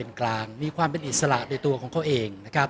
ก็ต้องทำอย่างที่บอกว่าช่องคุณวิชากำลังทำอยู่นั่นนะครับ